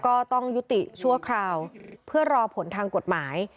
ก็ต้องยุติชั่วคราวเพื่อรอผลทางกฎหมาย